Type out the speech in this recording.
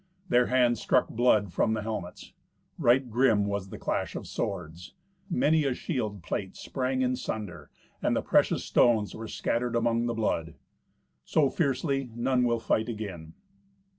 Their hands struck blood from the helmets. Right grim was the clash of swords! Many a shield plate sprang in sunder, and the precious stones were scattered among the blood. So fiercely none will fight again.